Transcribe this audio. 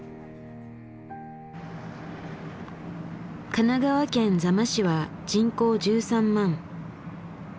神奈川県座間市は人口１３万。